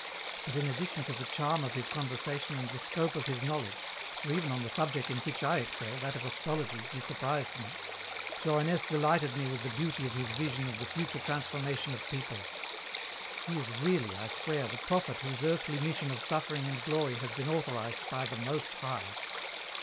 But in addition to the charm of his conversation and the scope of his knowledge for even on the subject in which I excel, that of astrology, he surprised me Johannès delighted me with the beauty of his vision of the future transformation of peoples. He is really, I swear, the prophet whose earthly mission of suffering and glory has been authorized by the Most High."